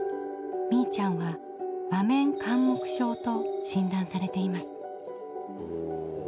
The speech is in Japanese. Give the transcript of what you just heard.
みいちゃんは場面緘黙症としんだんされています。